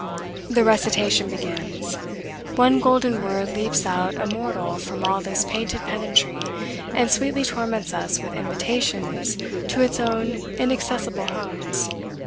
The recitation begins; one golden word leaps out immortal from all this painted pedantry, and sweetly torments us with invitations to its own inaccessible homes.